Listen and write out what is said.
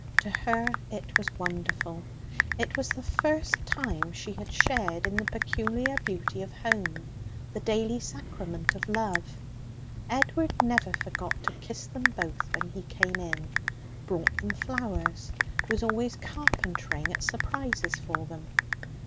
To her it was wonderful. It was the first time she had shared in the peculiar beauty of home, the daily sacrament of love. Edward never forgot to kiss them both when he came in; brought them flowers; was always carpentering at surprises for them.